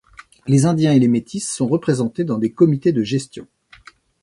Les Indiens et les métis sont représentés dans des comités de gestion.